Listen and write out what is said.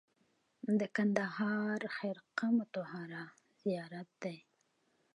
د کندهار خرقه مطهره زیارت دی